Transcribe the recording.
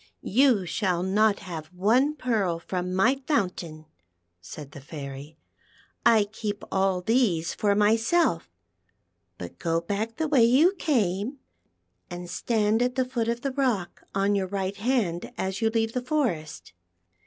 " You shall not have one pearl from my fountain," said the Fairy ;" I keep all these for myself, but go back the way you came, and stand at the foot of the rock on your right hand as you leave the forest.